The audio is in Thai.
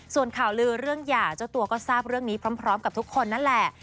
ส่วนข่าวลือเรื่องหย่าเจ้าตัวก็ทราบเรื่องนี้พร้อมกับทุกคนนั่นแหละ